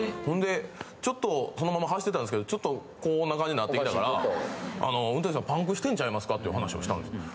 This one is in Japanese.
ほんでちょっとそのまま走ってたんですけどちょっとこんな感じになってきたからあの運転手さんパンクしてんちゃいますか？っていう話をしたんです。